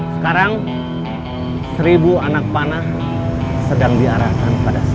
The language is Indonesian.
sekarang seribu anak panah sedang diarahkan pada saat